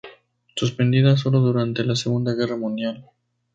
Suspendida sólo durante la Segunda Guerra Mundial.